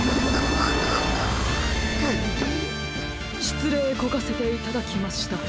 しつれいこかせていただきました。